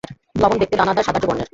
লবণ দেখতে দানাদার, সাদাটে বর্ণের।